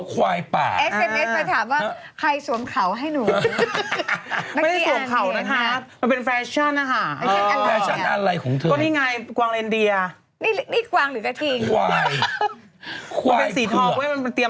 ใกล้ปีใหม่เข้ามาทุกทีนะครับวันนี้ผมมีของขวัญที่จะมามอบให้